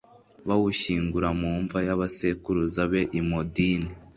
bawushyingura mu mva y'abasekuruza be i modini